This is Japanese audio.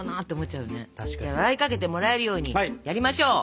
じゃあ笑いかけてもらえるようにやりましょう。